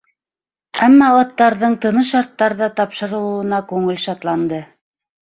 Әммә аттарҙың тыныс шарттарҙа тапшырылыуына күңел шатланды.